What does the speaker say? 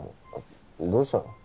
どうしたの？